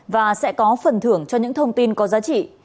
và sẽ có phần thưởng cho những thông tin có giá trị